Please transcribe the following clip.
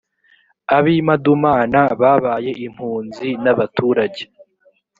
ab i madumana babaye impunzi n abaturage